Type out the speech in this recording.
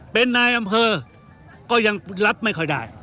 เป็นนายอำเภอก็ยังรับไม่ค่อยได้